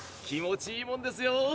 気持ちいいもんですよ。